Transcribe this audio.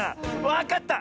わかった！